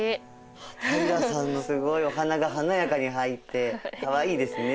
平さんのすごいお花が華やかに入ってかわいいですね。